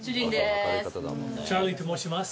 チャーリーと申します。